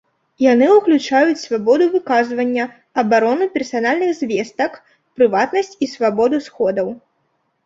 Яны ўключаюць свабоду выказвання, абарону персанальных звестак, прыватнасць і свабоду сходаў.